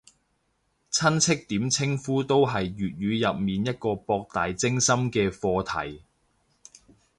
親戚點稱呼都係粵語入面一個博大精深嘅課題